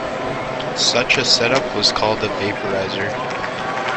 Such a setup was called a vaporiser.